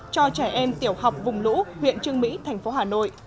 cho trẻ em tiểu học vùng lũ huyện trương mỹ thành phố hà nội